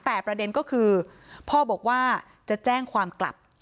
แต่ประเด็นก็คือพ่อบอกว่าจะแจ้งความกลับ